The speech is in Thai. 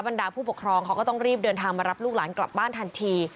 ดาผู้ปกครองเขาก็ต้องรีบเดินทางมารับลูกหลานกลับบ้านทันที